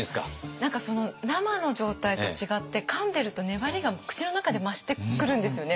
何か生の状態と違ってかんでると粘りが口の中で増してくるんですよね。